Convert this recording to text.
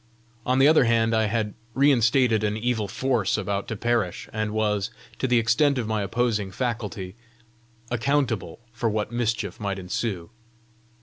On the other hand, I had reinstated an evil force about to perish, and was, to the extent of my opposing faculty, accountable for what mischief might ensue!